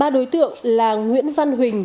ba đối tượng là nguyễn văn huỳnh